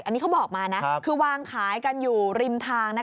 อันนี้เขาบอกมานะคือวางขายกันอยู่ริมทาง